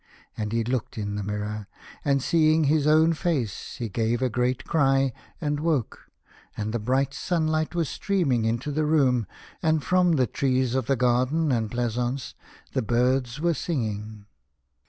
And he looked in the mirror, and, seeing his own face, he gave a great cry and woke, and the bright sunlight was streaming into the room, and from the trees of the garden and pleasaunce the birds were singing.